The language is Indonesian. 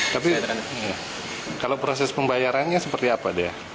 tapi kalau proses pembayarannya seperti apa dea